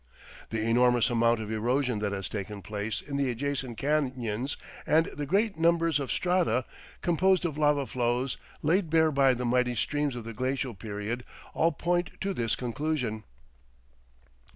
The enormous amount of erosion that has taken place in the adjacent canyons and the great numbers of strata, composed of lava flows, laid bare by the mighty streams of the glacial period all point to this conclusion.